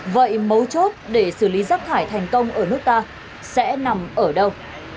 vậy mấu chốt để xử lý rác thải thành công ở nước ta sẽ nằm ở đâu